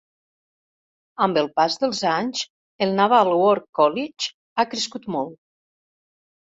Amb el pas dels anys, el Naval War College ha crescut molt.